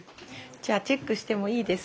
じゃあチェックしてもいいですか甘酒。